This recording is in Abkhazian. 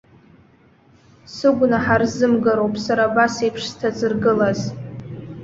Сыгәнаҳа рзымгароуп сара абасеиԥш сҭазыргылаз!